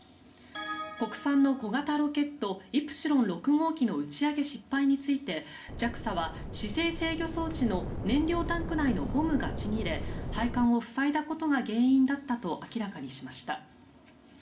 国産の小型ロケットイプシロン６号機の打ち上げ失敗についてＪＡＸＡは姿勢制御装置の燃料タンク内のゴムがちぎれ配管を塞いだことが原因だったと明らかにしました。